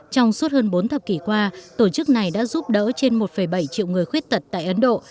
trong suốt hơn bốn thập kỷ qua tổ chức này đã giúp đỡ trên một bảy triệu người khuyết tật tại ấn độ